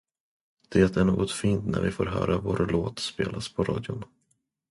Det är något fint när vi får höra vår låt spelas på radion.